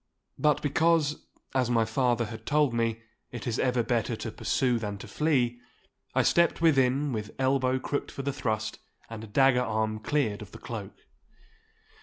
But because, as my father had told me, it is ever better to pursue than to flee, I stepped within with elbow crooked for the thrust, and dagger arm cleared of the cloak.